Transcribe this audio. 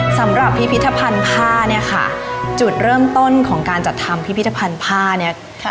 สำหรับพิพิธภัณฑ์ผ้าเนี่ยค่ะจุดเริ่มต้นของการจัดทำพิพิธภัณฑ์ผ้าเนี่ย